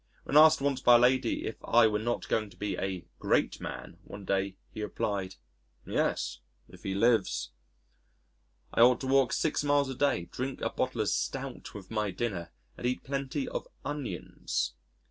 When asked once by a lady if I were not going to be "a great man" one day, he replied, "Yes if he lives." I ought to walk six miles a day, drink a bottle of stout with my dinner, and eat plenty of onions.